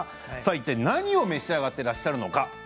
何を召し上がっていらっしゃるのか。